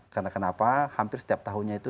karena kenapa hampir setiap tahunnya itu